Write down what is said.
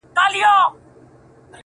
اوس په خوب کي هره شپه زه خوبان وینم,